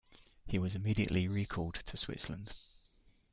He was immediately recalled to Switzerland.